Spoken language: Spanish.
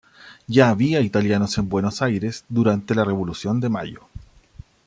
Ya había italianos en Buenos Aires durante la Revolución de Mayo.